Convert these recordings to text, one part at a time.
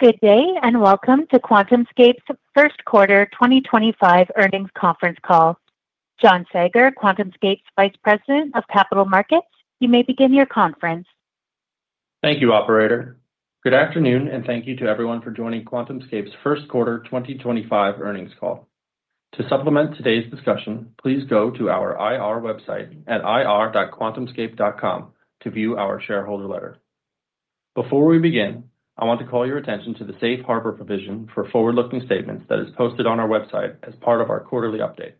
Good day and welcome to QuantumScape's first quarter 2025 earnings conference call. John Saager, QuantumScape's Vice President of Capital Markets, you may begin your conference. Thank you, Operator. Good afternoon and thank you to everyone for joining QuantumScape's first quarter 2025 earnings call. To supplement today's discussion, please go to our IR website at ir.quantumscape.com to view our shareholder letter. Before we begin, I want to call your attention to the safe harbor provision for forward-looking statements that is posted on our website as part of our quarterly update.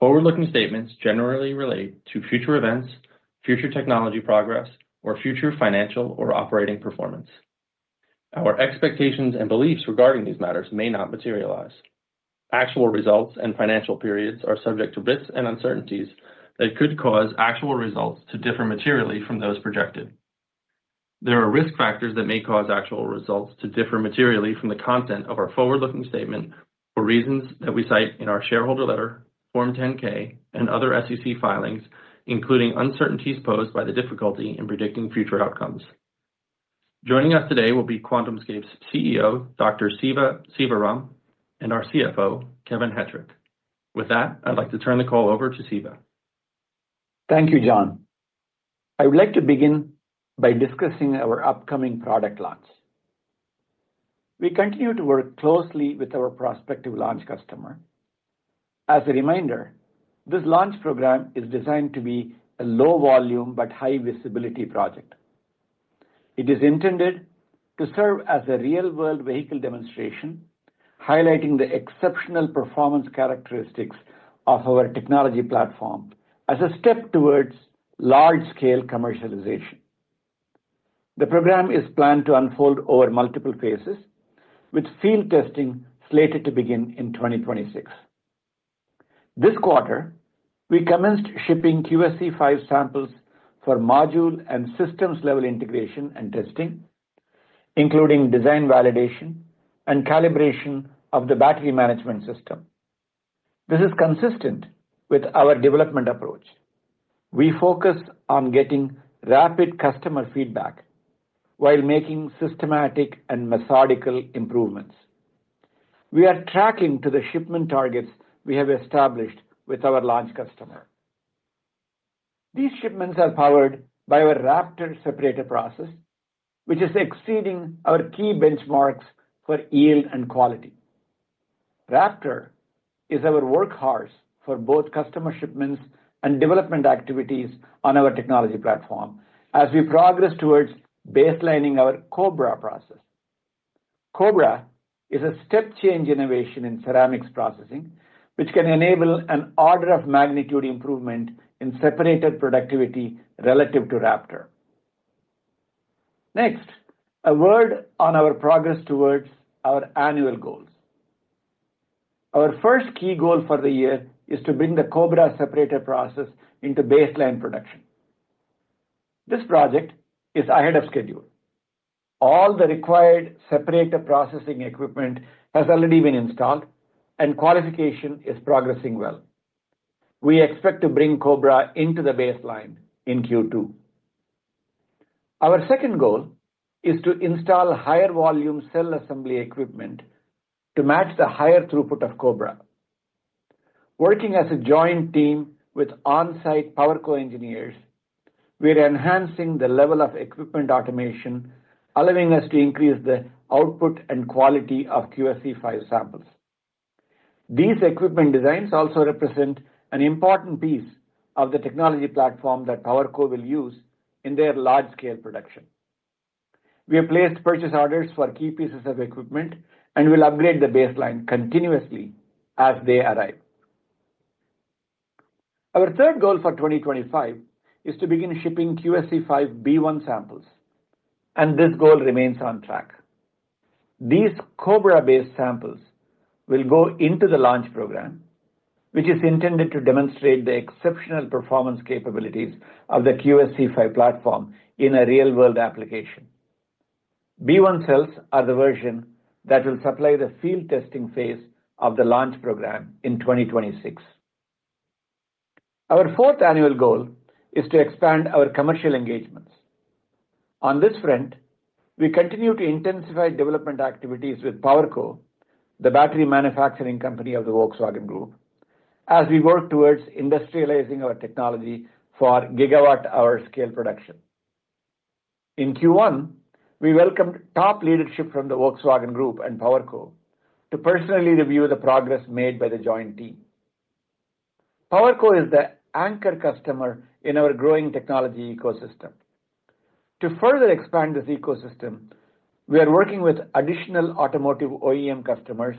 Forward-looking statements generally relate to future events, future technology progress, or future financial or operating performance. Our expectations and beliefs regarding these matters may not materialize. Actual results and financial periods are subject to risks and uncertainties that could cause actual results to differ materially from those projected. There are risk factors that may cause actual results to differ materially from the content of our forward-looking statement for reasons that we cite in our shareholder letter, Form 10-K, and other SEC filings, including uncertainties posed by the difficulty in predicting future outcomes. Joining us today will be QuantumScape's CEO, Dr. Siva Sivaram, and our CFO, Kevin Hettrich. With that, I'd like to turn the call over to Siva. Thank you, John. I would like to begin by discussing our upcoming product launch. We continue to work closely with our prospective launch customer. As a reminder, this launch program is designed to be a low-volume but high-visibility project. It is intended to serve as a real-world vehicle demonstration, highlighting the exceptional performance characteristics of our technology platform as a step towards large-scale commercialization. The program is planned to unfold over multiple phases, with field testing slated to begin in 2026. This quarter, we commenced shipping QSC-5 samples for module and systems-level integration and testing, including design validation and calibration of the battery management system. This is consistent with our development approach. We focus on getting rapid customer feedback while making systematic and methodical improvements. We are tracking to the shipment targets we have established with our launch customer. These shipments are powered by our Raptor separator process, which is exceeding our key benchmarks for yield and quality. Raptor is our workhorse for both customer shipments and development activities on our technology platform as we progress towards baselining our Cobra process. Cobra is a step-change innovation in ceramics processing, which can enable an order of magnitude improvement in separator productivity relative to Raptor. Next, a word on our progress towards our annual goals. Our first key goal for the year is to bring the Cobra separator process into baseline production. This project is ahead of schedule. All the required separator processing equipment has already been installed, and qualification is progressing well. We expect to bring Cobra into the baseline in Q2. Our second goal is to install higher volume cell assembly equipment to match the higher throughput of Cobra. Working as a joint team with on-site PowerCo engineers, we are enhancing the level of equipment automation, allowing us to increase the output and quality of QSC5 samples. These equipment designs also represent an important piece of the technology platform that PowerCo will use in their large-scale production. We have placed purchase orders for key pieces of equipment and will upgrade the baseline continuously as they arrive. Our third goal for 2025 is to begin shipping QSC5 B1 samples, and this goal remains on track. These Cobra-based samples will go into the launch program, which is intended to demonstrate the exceptional performance capabilities of the QSC5 platform in a real-world application. B1 cells are the version that will supply the field testing phase of the launch program in 2026. Our fourth annual goal is to expand our commercial engagements. On this front, we continue to intensify development activities with PowerCo, the battery manufacturing company of the Volkswagen Group, as we work towards industrializing our technology for gigawatt-hour scale production. In Q1, we welcomed top leadership from the Volkswagen Group and PowerCo to personally review the progress made by the joint team. PowerCo is the anchor customer in our growing technology ecosystem. To further expand this ecosystem, we are working with additional automotive OEM customers,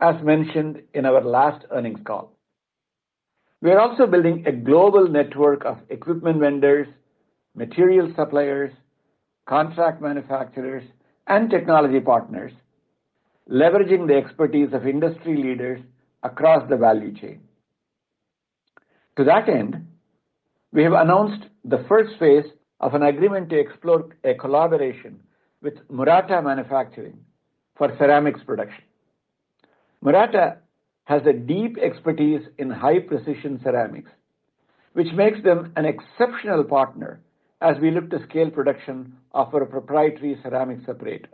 as mentioned in our last earnings call. We are also building a global network of equipment vendors, material suppliers, contract manufacturers, and technology partners, leveraging the expertise of industry leaders across the value chain. To that end, we have announced the first phase of an agreement to explore a collaboration with Murata Manufacturing for ceramics production. Murata has a deep expertise in high-precision ceramics, which makes them an exceptional partner as we look to scale production of our proprietary ceramic separator.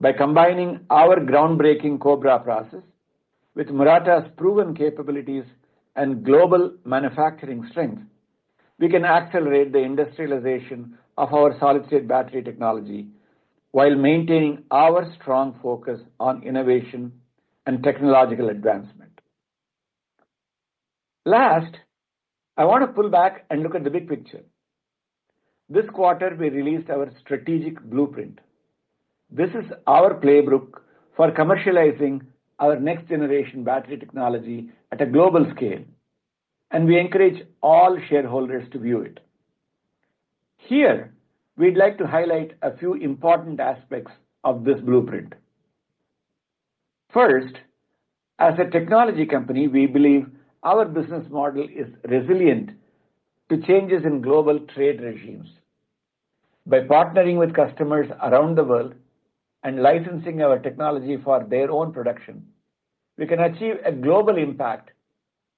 By combining our groundbreaking Cobra process with Murata's proven capabilities and global manufacturing strength, we can accelerate the industrialization of our solid-state battery technology while maintaining our strong focus on innovation and technological advancement. Last, I want to pull back and look at the big picture. This quarter, we released our strategic blueprint. This is our playbook for commercializing our next-generation battery technology at a global scale, and we encourage all shareholders to view it. Here, we'd like to highlight a few important aspects of this blueprint. First, as a technology company, we believe our business model is resilient to changes in global trade regimes. By partnering with customers around the world and licensing our technology for their own production, we can achieve a global impact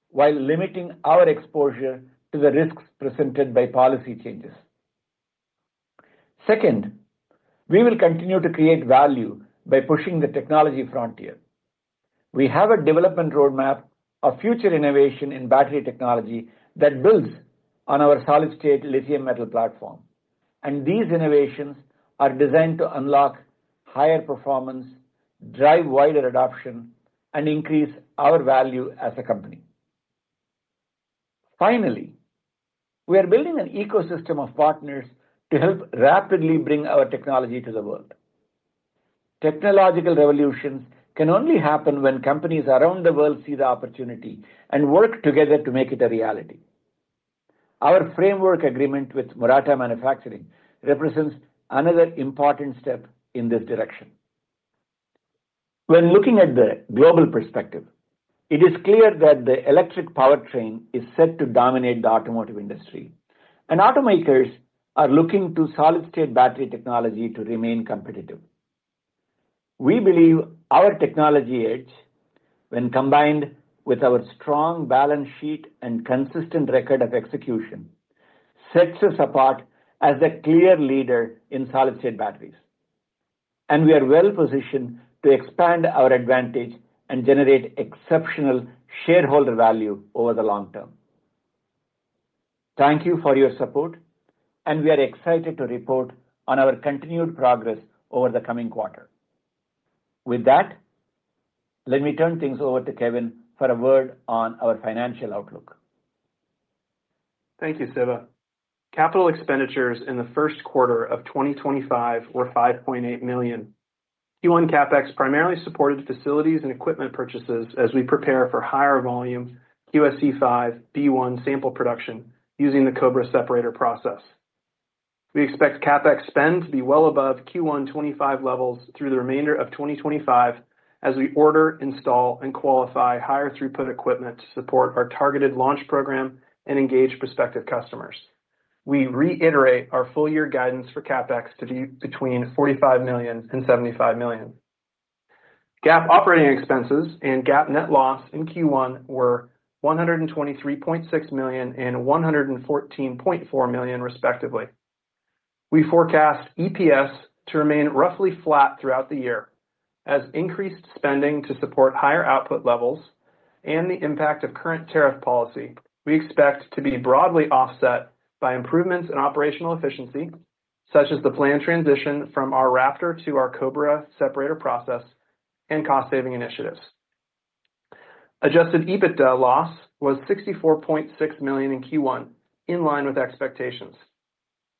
while limiting our exposure to the risks presented by policy changes. Second, we will continue to create value by pushing the technology frontier. We have a development roadmap of future innovation in battery technology that builds on our solid-state lithium metal platform, and these innovations are designed to unlock higher performance, drive wider adoption, and increase our value as a company. Finally, we are building an ecosystem of partners to help rapidly bring our technology to the world. Technological revolutions can only happen when companies around the world see the opportunity and work together to make it a reality. Our framework agreement with Murata Manufacturing represents another important step in this direction. When looking at the global perspective, it is clear that the electric powertrain is set to dominate the automotive industry, and automakers are looking to solid-state battery technology to remain competitive. We believe our technology edge, when combined with our strong balance sheet and consistent record of execution, sets us apart as a clear leader in solid-state batteries, and we are well-positioned to expand our advantage and generate exceptional shareholder value over the long term. Thank you for your support, and we are excited to report on our continued progress over the coming quarter. With that, let me turn things over to Kevin for a word on our financial outlook. Thank you, Siva. Capital expenditures in the first quarter of 2025 were $5.8 million. Q1 CapEx primarily supported facilities and equipment purchases as we prepare for higher volume QSC5 B1 sample production using the Cobra separator process. We expect CapEx spend to be well above Q1-25 levels through the remainder of 2025 as we order, install, and qualify higher-throughput equipment to support our targeted launch program and engage prospective customers. We reiterate our full-year guidance for CapEx to be between $45 million and $75 million. GAAP operating expenses and GAAP net loss in Q1 were $123.6 million and $114.4 million, respectively. We forecast EPS to remain roughly flat throughout the year. As increased spending to support higher output levels and the impact of current tariff policy, we expect to be broadly offset by improvements in operational efficiency, such as the planned transition from our Raptor to our Cobra separator process and cost-saving initiatives. Adjusted EBITDA loss was $64.6 million in Q1, in line with expectations.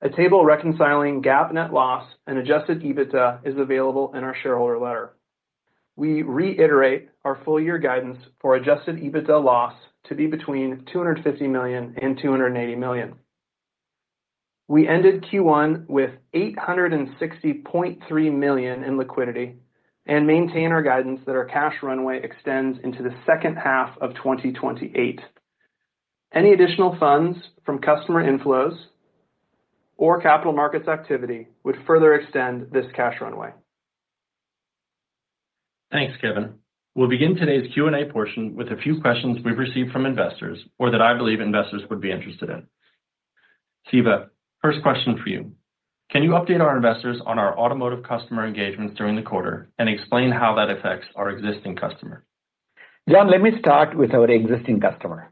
A table reconciling GAAP net loss and adjusted EBITDA is available in our shareholder letter. We reiterate our full-year guidance for adjusted EBITDA loss to be between $250 million and $280 million. We ended Q1 with $860.3 million in liquidity and maintain our guidance that our cash runway extends into the second half of 2028. Any additional funds from customer inflows or capital markets activity would further extend this cash runway. Thanks, Kevin. We'll begin today's Q&A portion with a few questions we've received from investors or that I believe investors would be interested in. Siva, first question for you. Can you update our investors on our automotive customer engagements during the quarter and explain how that affects our existing customer? John, let me start with our existing customer.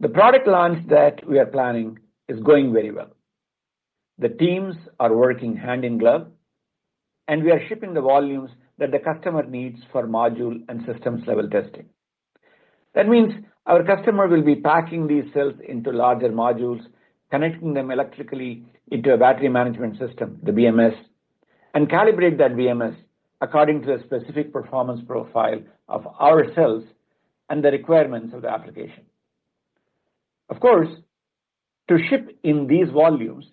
The product launch that we are planning is going very well. The teams are working hand in glove, and we are shipping the volumes that the customer needs for module and systems-level testing. That means our customer will be packing these cells into larger modules, connecting them electrically into a battery management system, the BMS, and calibrating that BMS according to a specific performance profile of our cells and the requirements of the application. Of course, to ship in these volumes,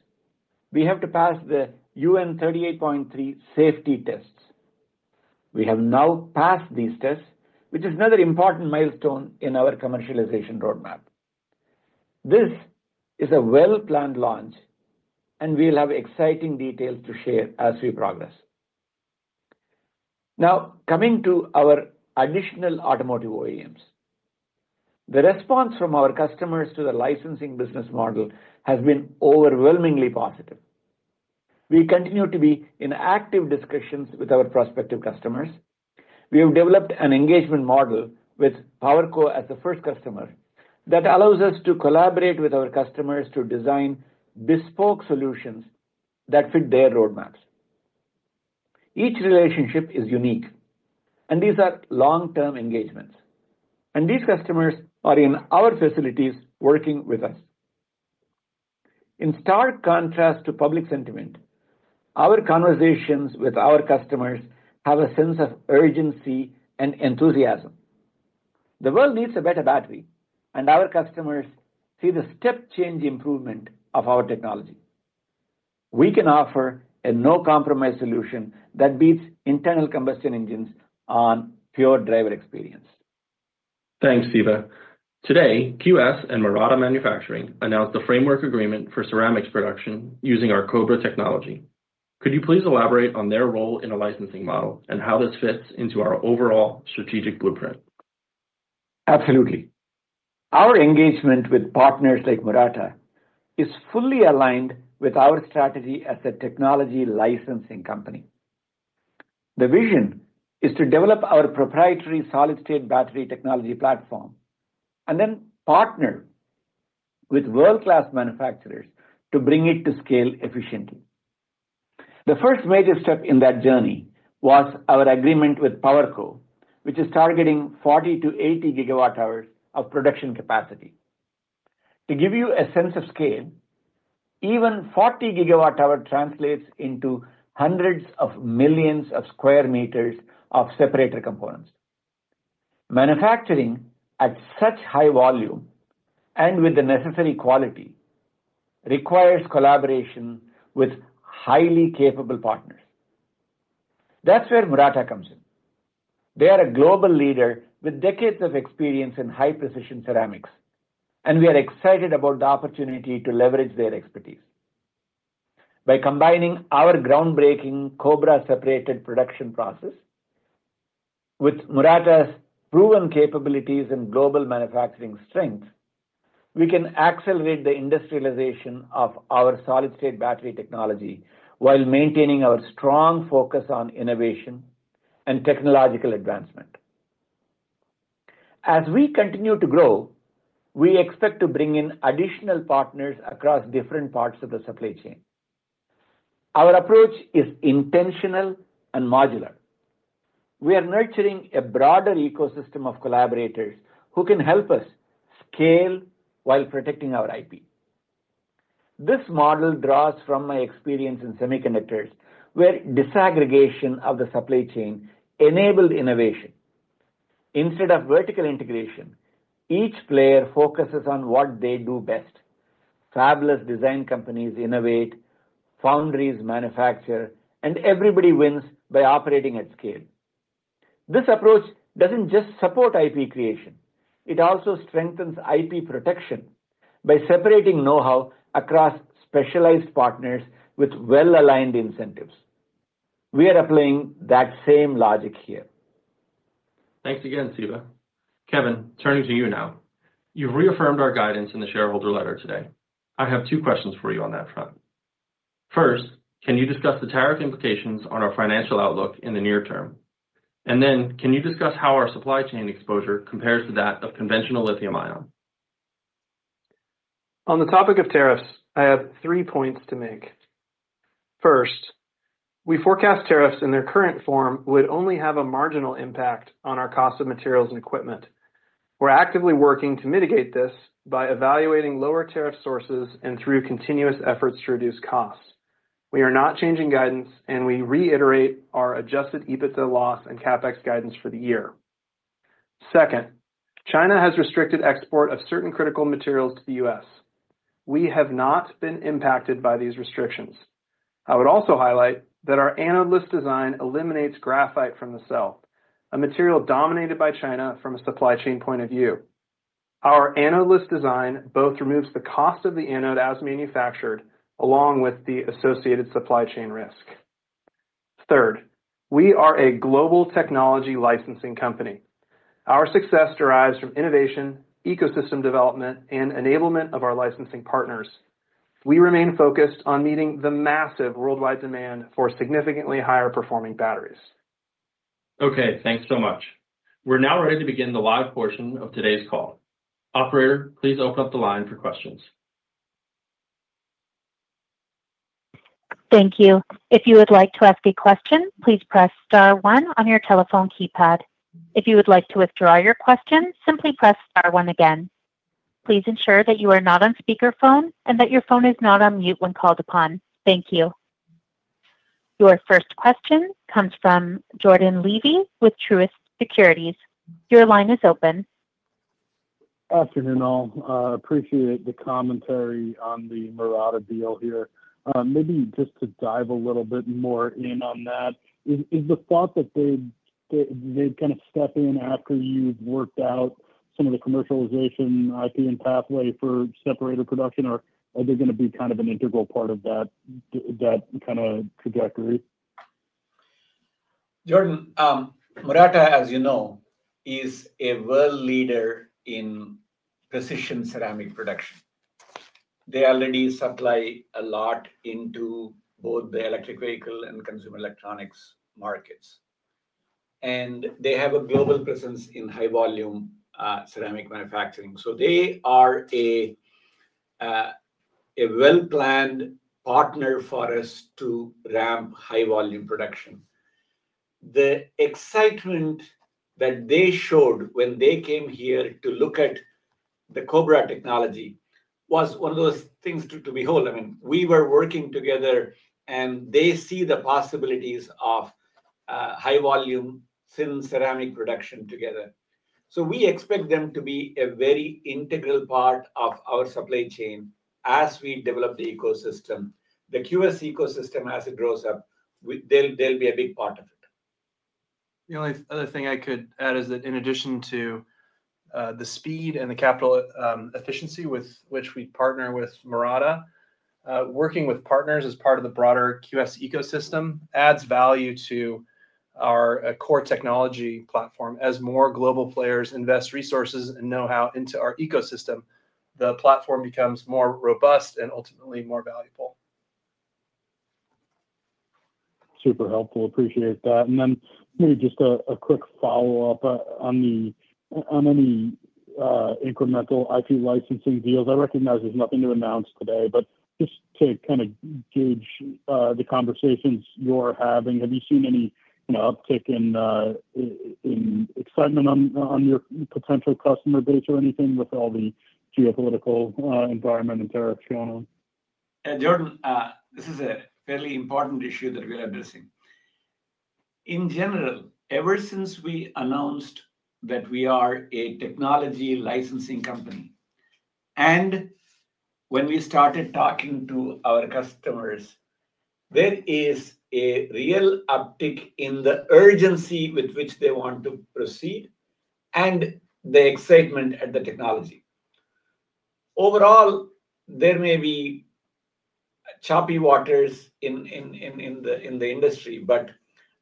we have to pass the UN 38.3 safety tests. We have now passed these tests, which is another important milestone in our commercialization roadmap. This is a well-planned launch, and we'll have exciting details to share as we progress. Now, coming to our additional automotive OEMs, the response from our customers to the licensing business model has been overwhelmingly positive. We continue to be in active discussions with our prospective customers. We have developed an engagement model with PowerCo as the first customer that allows us to collaborate with our customers to design bespoke solutions that fit their roadmaps. Each relationship is unique, and these are long-term engagements, and these customers are in our facilities working with us. In stark contrast to public sentiment, our conversations with our customers have a sense of urgency and enthusiasm. The world needs a better battery, and our customers see the step-change improvement of our technology. We can offer a no-compromise solution that beats internal combustion engines on pure driver experience. Thanks, Siva. Today, QS and Murata Manufacturing announced the framework agreement for ceramics production using our Cobra technology. Could you please elaborate on their role in a licensing model and how this fits into our overall strategic blueprint? Absolutely. Our engagement with partners like Murata is fully aligned with our strategy as a technology licensing company. The vision is to develop our proprietary solid-state battery technology platform and then partner with world-class manufacturers to bring it to scale efficiently. The first major step in that journey was our agreement with PowerCo, which is targeting 40-80 GWh of production capacity. To give you a sense of scale, even 40 gigawatt-hours translates into hundreds of millions of square meters of separator components. Manufacturing at such high volume and with the necessary quality requires collaboration with highly capable partners. That is where Murata comes in. They are a global leader with decades of experience in high-precision ceramics, and we are excited about the opportunity to leverage their expertise. By combining our groundbreaking Cobra separator production process with Murata Manufacturing's proven capabilities and global manufacturing strength, we can accelerate the industrialization of our solid-state battery technology while maintaining our strong focus on innovation and technological advancement. As we continue to grow, we expect to bring in additional partners across different parts of the supply chain. Our approach is intentional and modular. We are nurturing a broader ecosystem of collaborators who can help us scale while protecting our IP. This model draws from my experience in semiconductors, where disaggregation of the supply chain enabled innovation. Instead of vertical integration, each player focuses on what they do best. Fabless design companies innovate, foundries manufacture, and everybody wins by operating at scale. This approach does not just support IP creation. It also strengthens IP protection by separating know-how across specialized partners with well-aligned incentives. We are applying that same logic here. Thanks again, Siva. Kevin, turning to you now. You've reaffirmed our guidance in the shareholder letter today. I have two questions for you on that front. First, can you discuss the tariff implications on our financial outlook in the near term? Can you discuss how our supply chain exposure compares to that of conventional lithium-ion? On the topic of tariffs, I have three points to make. First, we forecast tariffs in their current form would only have a marginal impact on our cost of materials and equipment. We're actively working to mitigate this by evaluating lower tariff sources and through continuous efforts to reduce costs. We are not changing guidance, and we reiterate our adjusted EBITDA loss and CapEx guidance for the year. Second, China has restricted export of certain critical materials to the U.S. We have not been impacted by these restrictions. I would also highlight that our anode-free design eliminates graphite from the cell, a material dominated by China from a supply chain point of view. Our anode-free design both removes the cost of the anode as manufactured, along with the associated supply chain risk. Third, we are a global technology licensing company. Our success derives from innovation, ecosystem development, and enablement of our licensing partners. We remain focused on meeting the massive worldwide demand for significantly higher-performing batteries. Okay, thanks so much. We're now ready to begin the live portion of today's call. Operator, please open up the line for questions. Thank you. If you would like to ask a question, please press star one on your telephone keypad. If you would like to withdraw your question, simply press star one again. Please ensure that you are not on speakerphone and that your phone is not on mute when called upon. Thank you. Your first question comes from Jordan Levy with Truist Securities. Your line is open. Afternoon, all. I appreciate the commentary on the Murata deal here. Maybe just to dive a little bit more in on that, is the thought that they'd kind of step in after you've worked out some of the commercialization IP and pathway for separator production, or are they going to be kind of an integral part of that kind of trajectory? Jordan, Murata, as you know, is a world leader in precision ceramic production. They already supply a lot into both the electric vehicle and consumer electronics markets, and they have a global presence in high-volume ceramic manufacturing. They are a well-planned partner for us to ramp high-volume production. The excitement that they showed when they came here to look at the Cobra technology was one of those things to behold. I mean, we were working together, and they see the possibilities of high-volume thin ceramic production together. We expect them to be a very integral part of our supply chain as we develop the ecosystem. The QS ecosystem, as it grows up, they'll be a big part of it. The only other thing I could add is that in addition to the speed and the capital efficiency with which we partner with Murata, working with partners as part of the broader QS ecosystem adds value to our core technology platform. As more global players invest resources and know-how into our ecosystem, the platform becomes more robust and ultimately more valuable. Super helpful. Appreciate that. Maybe just a quick follow-up on any incremental IP licensing deals. I recognize there's nothing to announce today, but just to kind of gauge the conversations you're having, have you seen any uptick in excitement on your potential customer base or anything with all the geopolitical environment and tariffs going on? Jordan, this is a fairly important issue that we're addressing. In general, ever since we announced that we are a technology licensing company, and when we started talking to our customers, there is a real uptick in the urgency with which they want to proceed and the excitement at the technology. Overall, there may be choppy waters in the industry,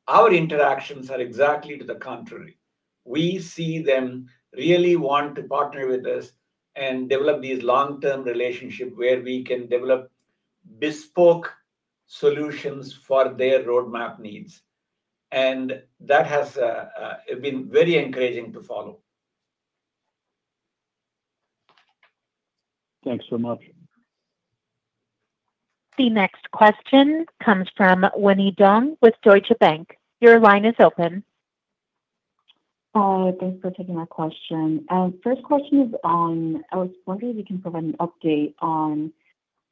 our interactions are exactly to the contrary. We see them really want to partner with us and develop these long-term relationships where we can develop bespoke solutions for their roadmap needs. That has been very encouraging to follow. Thanks so much. The next question comes from Winnie Dong with Deutsche Bank. Your line is open. Hi, thanks for taking my question. First question is on, I was wondering if you can provide an update on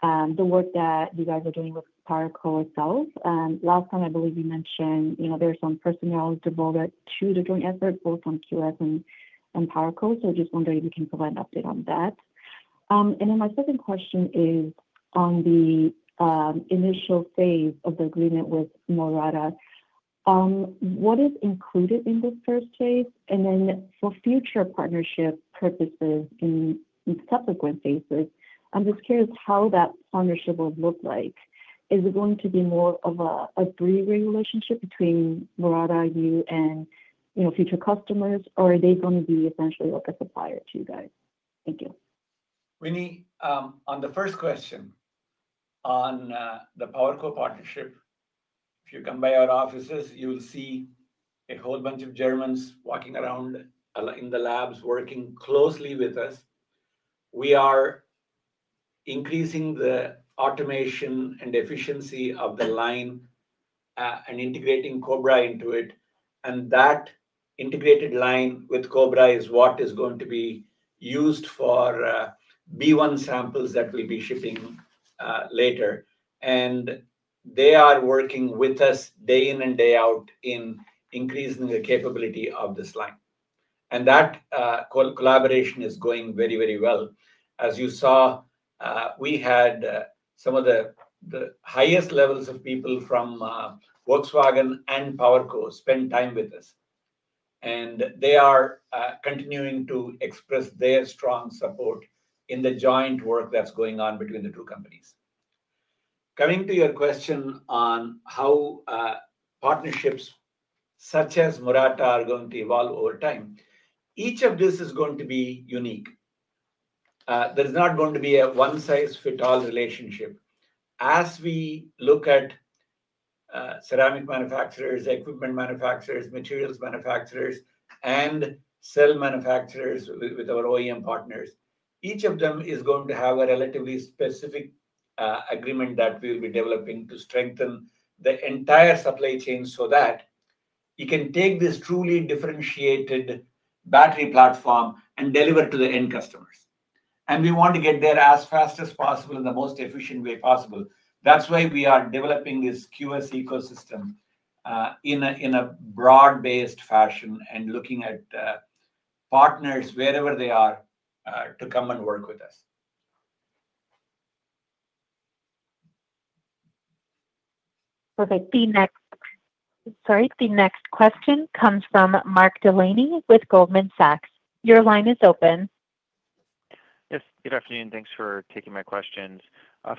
the work that you guys are doing with PowerCo itself. Last time, I believe you mentioned there's some personnel involved to the joint effort, both on QS and PowerCo. I just wonder if you can provide an update on that. My second question is on the initial phase of the agreement with Murata. What is included in the first phase? For future partnership purposes in subsequent phases, I'm just curious how that partnership will look like. Is it going to be more of a brewing relationship between Murata, you, and future customers, or are they going to be essentially like a supplier to you guys? Thank you. Winnie, on the first question on the PowerCo partnership, if you come by our offices, you'll see a whole bunch of Germans walking around in the labs working closely with us. We are increasing the automation and efficiency of the line and integrating Cobra into it. That integrated line with Cobra is what is going to be used for B1 samples that will be shipping later. They are working with us day in and day out in increasing the capability of this line. That collaboration is going very, very well. As you saw, we had some of the highest levels of people from Volkswagen and PowerCo spend time with us. They are continuing to express their strong support in the joint work that's going on between the two companies. Coming to your question on how partnerships such as Murata are going to evolve over time, each of this is going to be unique. There is not going to be a one-size-fits-all relationship. As we look at ceramic manufacturers, equipment manufacturers, materials manufacturers, and cell manufacturers with our OEM partners, each of them is going to have a relatively specific agreement that we will be developing to strengthen the entire supply chain so that you can take this truly differentiated battery platform and deliver it to the end customers. We want to get there as fast as possible in the most efficient way possible. That is why we are developing this QS ecosystem in a broad-based fashion and looking at partners wherever they are to come and work with us. Perfect. The next question comes from Mark Delaney with Goldman Sachs. Your line is open. Yes, good afternoon. Thanks for taking my questions.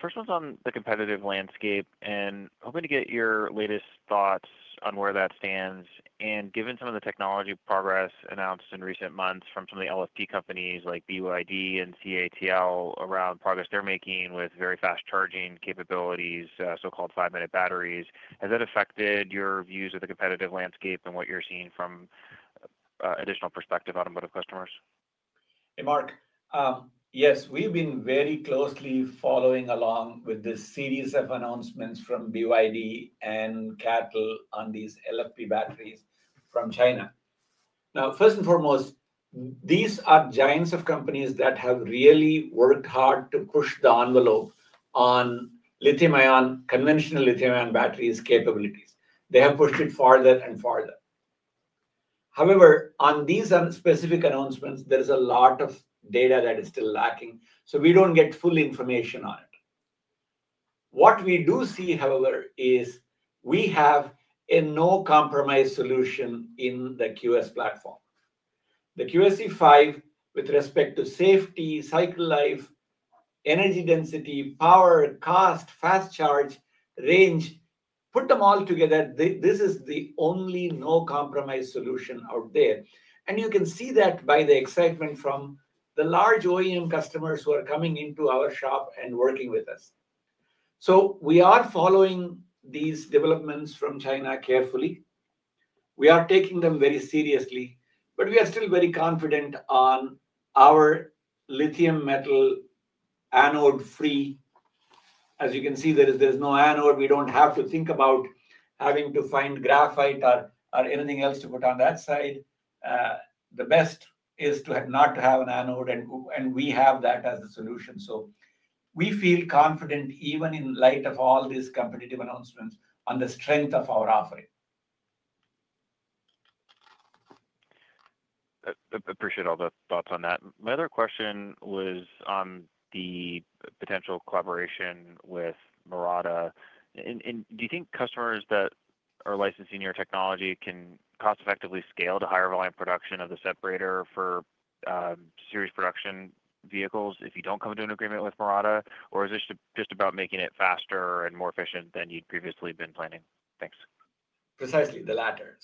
First one's on the competitive landscape and hoping to get your latest thoughts on where that stands. Given some of the technology progress announced in recent months from some of the LFP companies like BYD and CATL around progress they're making with very fast charging capabilities, so-called five-minute batteries, has that affected your views of the competitive landscape and what you're seeing from an additional perspective of automotive customers? Hey, Mark. Yes, we've been very closely following along with this series of announcements from BYD and CATL on these LFP batteries from China. Now, first and foremost, these are giants of companies that have really worked hard to push the envelope on lithium-ion, conventional lithium-ion batteries capabilities. They have pushed it farther and farther. However, on these specific announcements, there is a lot of data that is still lacking. We do not get full information on it. What we do see, however, is we have a no-compromise solution in the QS platform. The QSE5, with respect to safety, cycle life, energy density, power, cost, fast charge, range, put them all together, this is the only no-compromise solution out there. You can see that by the excitement from the large OEM customers who are coming into our shop and working with us. We are following these developments from China carefully. We are taking them very seriously, but we are still very confident on our lithium metal anode-free. As you can see, there is no anode. We do not have to think about having to find graphite or anything else to put on that side. The best is not to have an anode, and we have that as a solution. We feel confident even in light of all these competitive announcements on the strength of our offering. Appreciate all the thoughts on that. My other question was on the potential collaboration with Murata. Do you think customers that are licensing your technology can cost-effectively scale to higher volume production of the separator for series production vehicles if you do not come to an agreement with Murata, or is it just about making it faster and more efficient than you had previously been planning? Thanks. Precisely, the latter.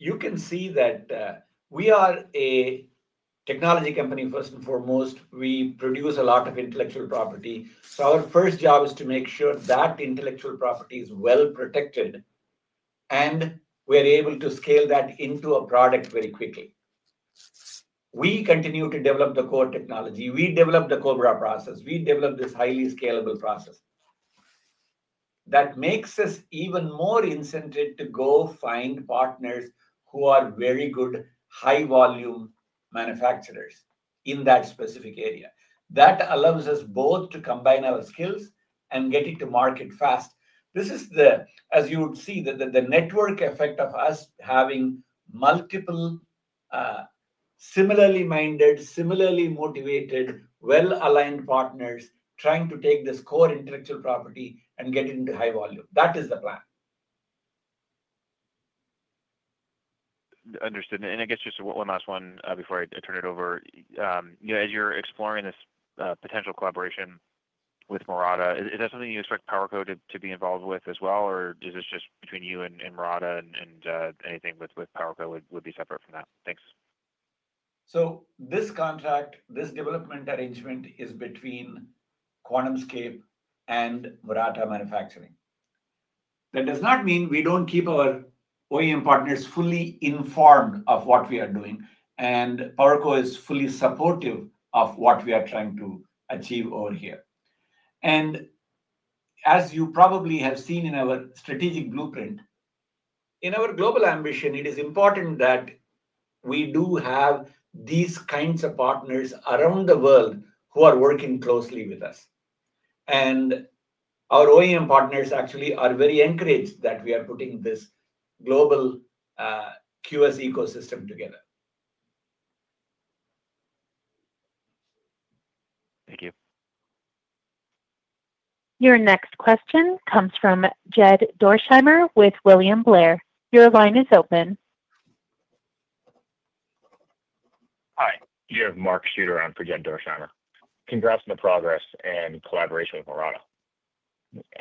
You can see that we are a technology company, first and foremost. We produce a lot of intellectual property. Our first job is to make sure that intellectual property is well protected, and we are able to scale that into a product very quickly. We continue to develop the core technology. We develop the Cobra process. We develop this highly scalable process. That makes us even more incented to go find partners who are very good high-volume manufacturers in that specific area. That allows us both to combine our skills and get it to market fast. This is, as you would see, the network effect of us having multiple similarly minded, similarly motivated, well-aligned partners trying to take this core intellectual property and get it into high volume. That is the plan. Understood. I guess just one last one before I turn it over. As you're exploring this potential collaboration with Murata, is that something you expect PowerCo to be involved with as well, or is this just between you and Murata and anything with PowerCo would be separate from that? Thanks. This contract, this development arrangement is between QuantumScape and Murata Manufacturing. That does not mean we do not keep our OEM partners fully informed of what we are doing, and PowerCo is fully supportive of what we are trying to achieve over here. As you probably have seen in our strategic blueprint, in our global ambition, it is important that we do have these kinds of partners around the world who are working closely with us. Our OEM partners actually are very encouraged that we are putting this global QS ecosystem together. Thank you. Your next question comes from Jed Dorsheimer with William Blair. Your line is open. Hi, here's Mark Shooter. I'm for Jed Dorsheimer. Congrats on the progress and collaboration with Murata.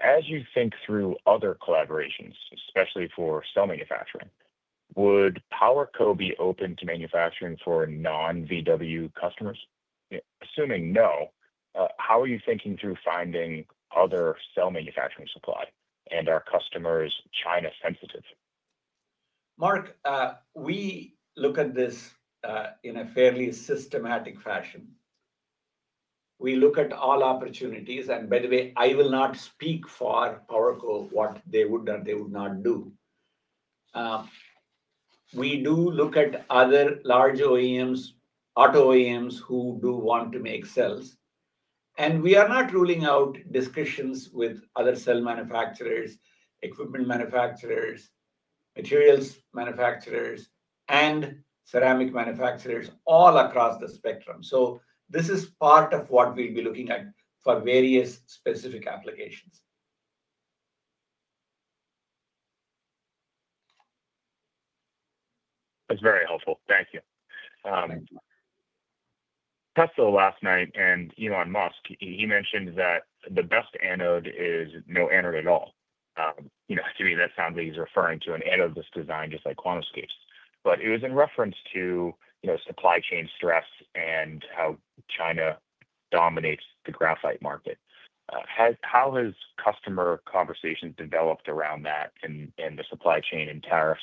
As you think through other collaborations, especially for cell manufacturing, would PowerCo be open to manufacturing for non-VW customers? Assuming no, how are you thinking through finding other cell manufacturing supply and are customers China-sensitive? Mark, we look at this in a fairly systematic fashion. We look at all opportunities. By the way, I will not speak for PowerCo, what they would or they would not do. We do look at other large OEMs, auto OEMs who do want to make cells. We are not ruling out discussions with other cell manufacturers, equipment manufacturers, materials manufacturers, and ceramic manufacturers all across the spectrum. This is part of what we will be looking at for various specific applications. That's very helpful. Thank you. Tesla last night and Elon Musk, he mentioned that the best anode is no anode at all. To me, that sounds like he's referring to an anode that's designed just like QuantumScape's. But it was in reference to supply chain stress and how China dominates the graphite market. How has customer conversation developed around that and the supply chain and tariffs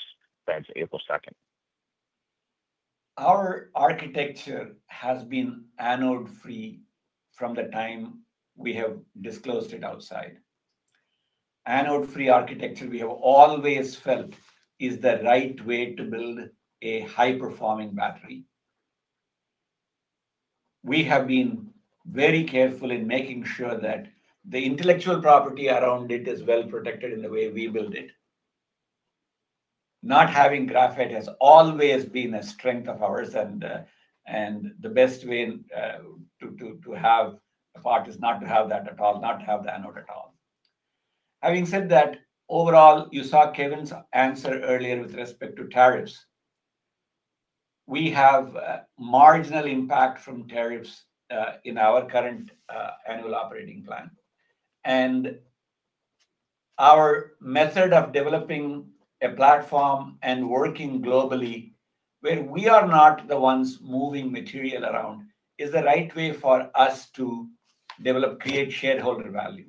since April 2nd? Our architecture has been anode-free from the time we have disclosed it outside. Anode-free architecture we have always felt is the right way to build a high-performing battery. We have been very careful in making sure that the intellectual property around it is well protected in the way we build it. Not having graphite has always been a strength of ours, and the best way to have a part is not to have that at all, not to have the anode at all. Having said that, overall, you saw Kevin's answer earlier with respect to tariffs. We have marginal impact from tariffs in our current annual operating plan. Our method of developing a platform and working globally where we are not the ones moving material around is the right way for us to develop, create shareholder value.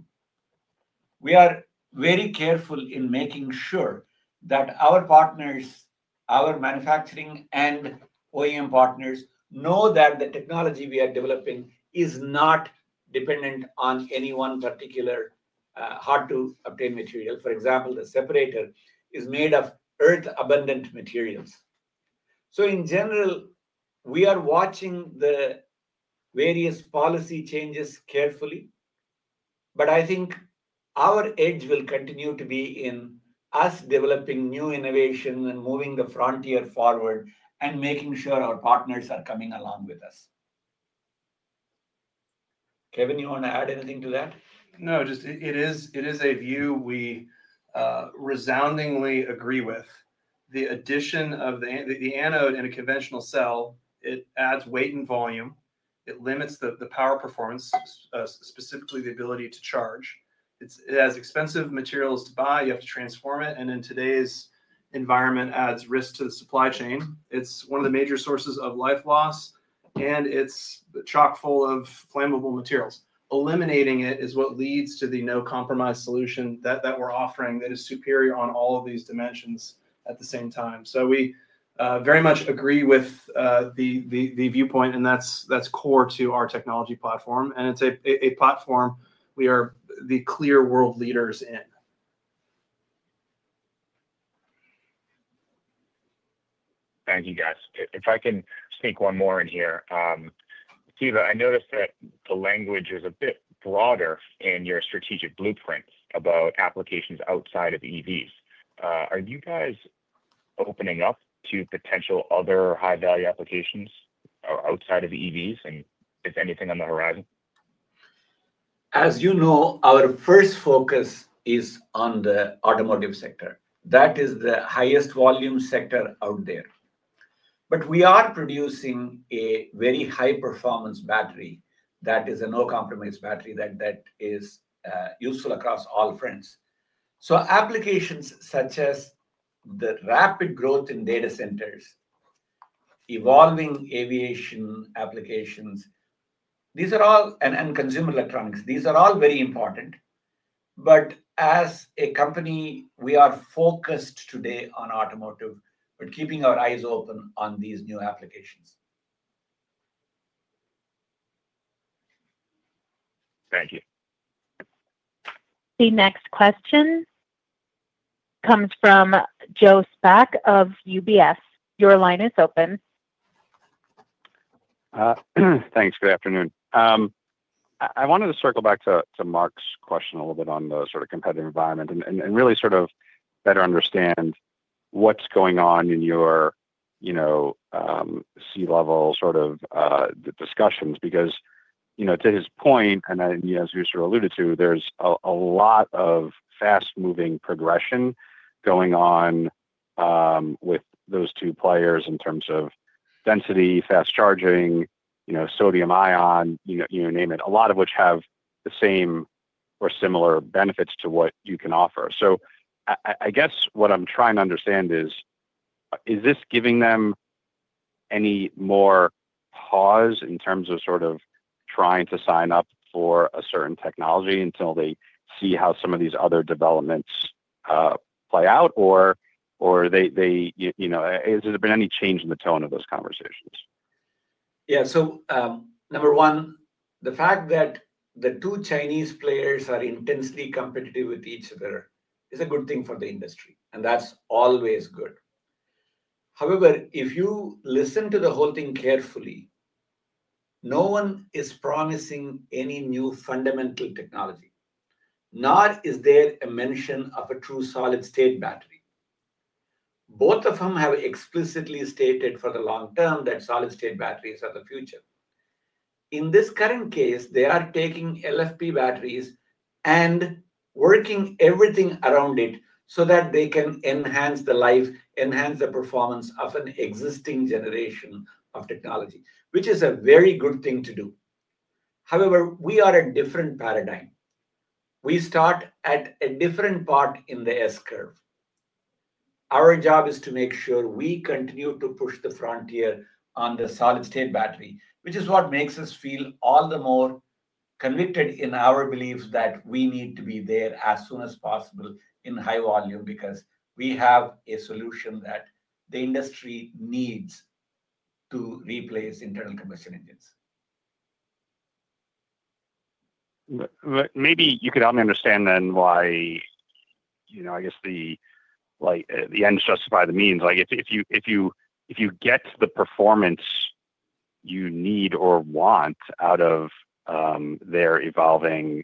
We are very careful in making sure that our partners, our manufacturing and OEM partners know that the technology we are developing is not dependent on any one particular hard-to-obtain material. For example, the separator is made of earth-abundant materials. In general, we are watching the various policy changes carefully. I think our edge will continue to be in us developing new innovation and moving the frontier forward and making sure our partners are coming along with us. Kevin, you want to add anything to that? No, just it is a view we resoundingly agree with. The addition of the anode in a conventional cell, it adds weight and volume. It limits the power performance, specifically the ability to charge. It has expensive materials to buy. You have to transform it. In today's environment, it adds risk to the supply chain. It's one of the major sources of life loss, and it's chock-full of flammable materials. Eliminating it is what leads to the no-compromise solution that we're offering that is superior on all of these dimensions at the same time. We very much agree with the viewpoint, and that's core to our technology platform. It's a platform we are the clear world leaders in. Thank you, guys. If I can sneak one more in here. Siva, I noticed that the language is a bit broader in your strategic blueprint about applications outside of EVs. Are you guys opening up to potential other high-value applications outside of EVs and if anything on the horizon? As you know, our first focus is on the automotive sector. That is the highest volume sector out there. We are producing a very high-performance battery that is a no-compromise battery that is useful across all fronts. Applications such as the rapid growth in data centers, evolving aviation applications, and consumer electronics, these are all very important. As a company, we are focused today on automotive, but keeping our eyes open on these new applications. Thank you. The next question comes from Joe Spack of UBS. Your line is open. Thanks. Good afternoon. I wanted to circle back to Mark's question a little bit on the sort of competitive environment and really sort of better understand what's going on in your C-level sort of discussions. Because to his point, and as you sort of alluded to, there's a lot of fast-moving progression going on with those two players in terms of density, fast charging, sodium ion, you name it, a lot of which have the same or similar benefits to what you can offer. I guess what I'm trying to understand is, is this giving them any more pause in terms of sort of trying to sign up for a certain technology until they see how some of these other developments play out, or has there been any change in the tone of those conversations? Yeah. Number one, the fact that the two Chinese players are intensely competitive with each other is a good thing for the industry, and that's always good. However, if you listen to the whole thing carefully, no one is promising any new fundamental technology. Nor is there a mention of a true solid-state battery. Both of them have explicitly stated for the long term that solid-state batteries are the future. In this current case, they are taking LFP batteries and working everything around it so that they can enhance the life, enhance the performance of an existing generation of technology, which is a very good thing to do. However, we are a different paradigm. We start at a different part in the S-curve. Our job is to make sure we continue to push the frontier on the solid-state battery, which is what makes us feel all the more convicted in our beliefs that we need to be there as soon as possible in high volume because we have a solution that the industry needs to replace internal combustion engines. Maybe you could help me understand then why I guess the ends justify the means. If you get the performance you need or want out of their evolving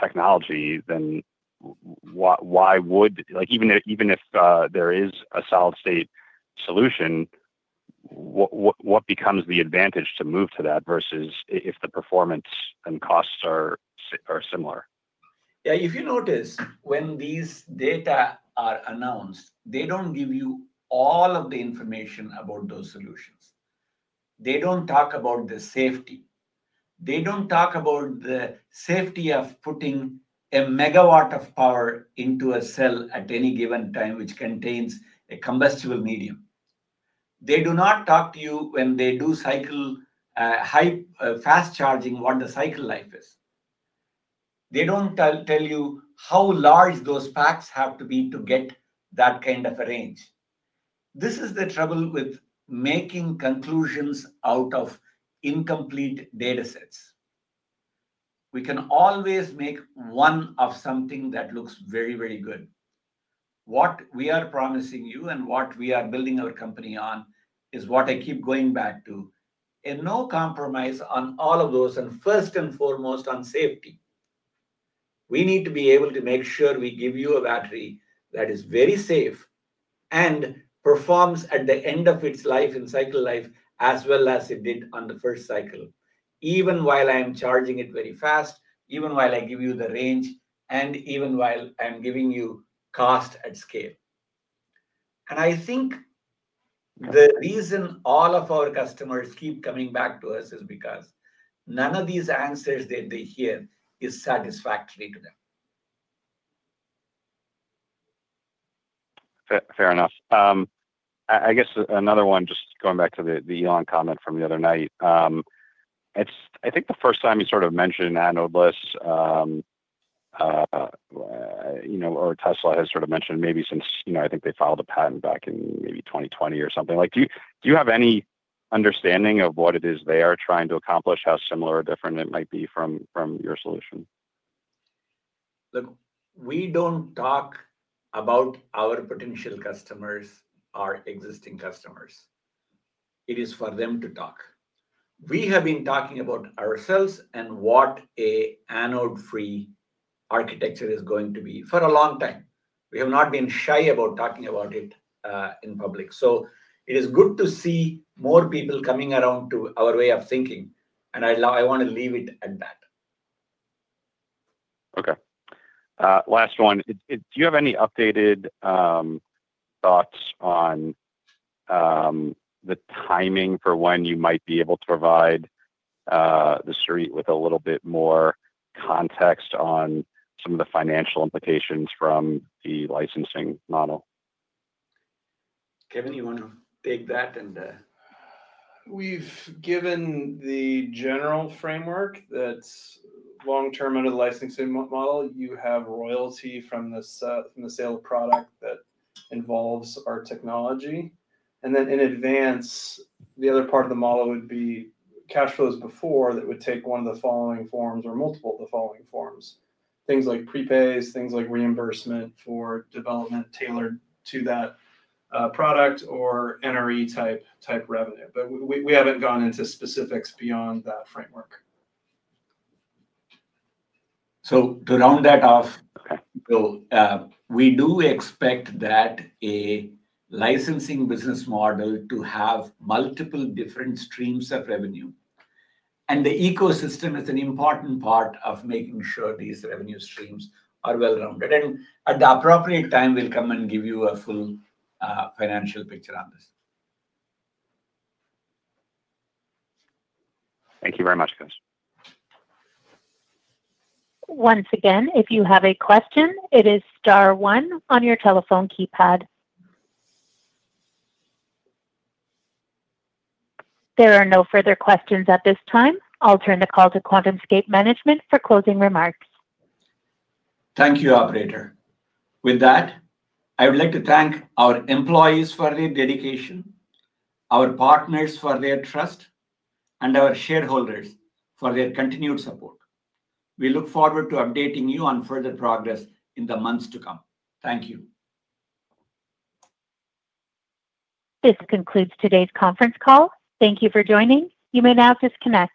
technology, then why would even if there is a solid-state solution, what becomes the advantage to move to that versus if the performance and costs are similar? Yeah. If you notice, when these data are announced, they do not give you all of the information about those solutions. They do not talk about the safety. They do not talk about the safety of putting a megawatt of power into a cell at any given time, which contains a combustible medium. They do not talk to you when they do cycle fast charging, what the cycle life is. They do not tell you how large those packs have to be to get that kind of a range. This is the trouble with making conclusions out of incomplete data sets. We can always make one of something that looks very, very good. What we are promising you and what we are building our company on is what I keep going back to, a no compromise on all of those, and first and foremost on safety. We need to be able to make sure we give you a battery that is very safe and performs at the end of its life and cycle life as well as it did on the first cycle, even while I am charging it very fast, even while I give you the range, and even while I'm giving you cost at scale. I think the reason all of our customers keep coming back to us is because none of these answers that they hear is satisfactory to them. Fair enough. I guess another one, just going back to the Elon comment from the other night, I think the first time you sort of mentioned anode-free or Tesla has sort of mentioned maybe since I think they filed a patent back in maybe 2020 or something. Do you have any understanding of what it is they are trying to accomplish, how similar or different it might be from your solution? Look, we do not talk about our potential customers or existing customers. It is for them to talk. We have been talking about ourselves and what an anode-free architecture is going to be for a long time. We have not been shy about talking about it in public. It is good to see more people coming around to our way of thinking, and I want to leave it at that. Okay. Last one. Do you have any updated thoughts on the timing for when you might be able to provide the street with a little bit more context on some of the financial implications from the licensing model? Kevin, you want to take that and. We've given the general framework that long-term under the licensing model, you have royalty from the sale of product that involves our technology. In advance, the other part of the model would be cash flows before that would take one of the following forms or multiple of the following forms, things like prepays, things like reimbursement for development tailored to that product, or NRE-type revenue. We haven't gone into specifics beyond that framework. To round that off, we do expect that a licensing business model to have multiple different streams of revenue. The ecosystem is an important part of making sure these revenue streams are well rounded. At the appropriate time, we'll come and give you a full financial picture on this. Thank you very much, guys. Once again, if you have a question, it is star one on your telephone keypad. There are no further questions at this time. I'll turn the call to QuantumScape management for closing remarks. Thank you, Operator. With that, I would like to thank our employees for their dedication, our partners for their trust, and our shareholders for their continued support. We look forward to updating you on further progress in the months to come. Thank you. This concludes today's conference call. Thank you for joining. You may now disconnect.